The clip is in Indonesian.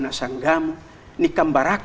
ini kamu yang memiliki barang